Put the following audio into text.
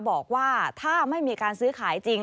บอกว่าถ้าไม่มีการซื้อขายจริง